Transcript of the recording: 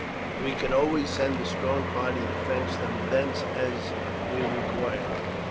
We could always send a strong party to fetch them thence as we require them."